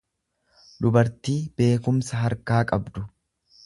dubartii beekumsa harkaa qabdu.